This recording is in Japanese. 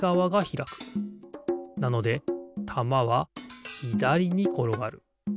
なのでたまはひだりにころがる。